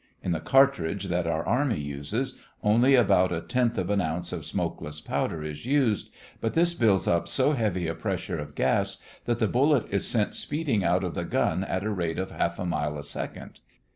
In the cartridge that our army uses, only about a tenth of an ounce of smokeless powder is used, but this builds up so heavy a pressure of gas that the bullet is sent speeding out of the gun at a rate of half a mile a second.